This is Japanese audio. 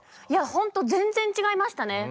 本当全然違いましたね。